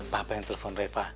papa yang telepon reva